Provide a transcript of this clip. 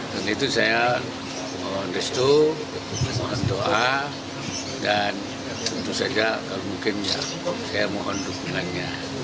dan itu saya mohon restu mohon doa dan itu saja kalau mungkin saya mohon dukungannya